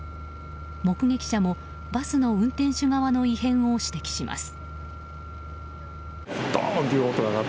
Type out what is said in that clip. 目撃者もバスの運転手側の異変を指摘します。